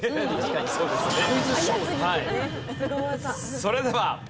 それでは。